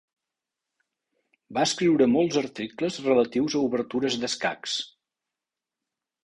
Va escriure molts articles relatius a obertures d'escacs.